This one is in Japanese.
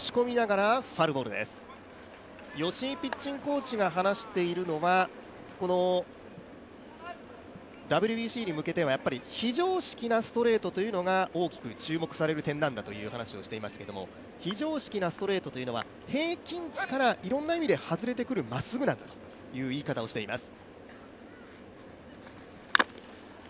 吉井ピッチングコーチが話しているのは、このＷＢＣに向けて、非常識なストレートというのが大きく注目されてる点だと話していますが非常識なストレートというのは平均値からいろんな意味で外れてくるまっすぐなんだという言い方をしています。